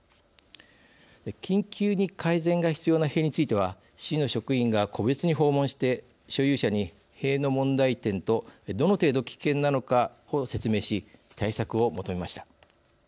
緊急に改善が必要な塀については市の職員が個別に訪問して所有者に、塀の問題点とどの程度危険なのかを説明し対策を求めました。